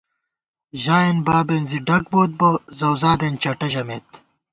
ژائېن بابېن زِی ڈگ بوئیت بہ، زؤزادېن چٹہ ژَمېت